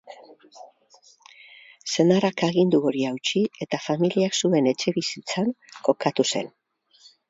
Senarrak agindu hori hautsi eta familiak zuen etxebizitzan kokatu zen.